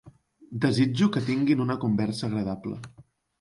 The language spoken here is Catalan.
Desitjo que tinguin una conversa agradable.